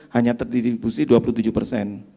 hanya terdistribusi dua puluh tujuh persen